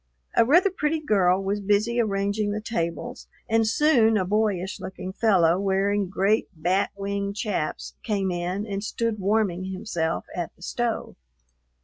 A rather pretty girl was busy arranging the tables, and soon a boyish looking fellow, wearing great bat wing chaps, came in and stood warming himself at the stove.